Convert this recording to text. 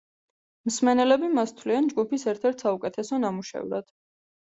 მსმენელები მას თვლიან ჯგუფის ერთ-ერთ საუკეთესო ნამუშევრად.